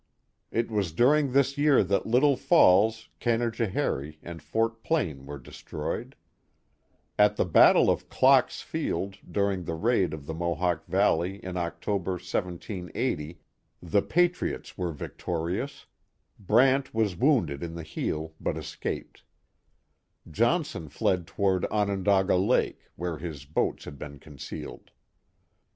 It was during this year that Little Falls, Canajo harie, and Fort Plain were destroyed. At the battle of The Joseph Brant of Romance and of Fact 267 Klocks Field, during the raid of the Mohawk Valley in Octo ber, 1780, the patriots were victorious. Brant was wounded in the heel, but escaped. Johnson fled toward Onondaga Lake, where his boats had been concealed.